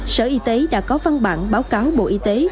sở y tế đã có văn bản báo cáo bộ y tế